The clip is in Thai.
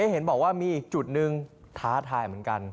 เห็นบอกว่ามีอีกจุดหนึ่งท้าทายเหมือนกัน